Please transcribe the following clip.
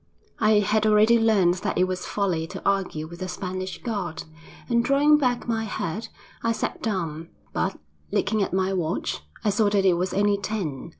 I had already learnt that it was folly to argue with a Spanish guard, and, drawing back my head, I sat down. But, looking at my watch, I saw that it was only ten.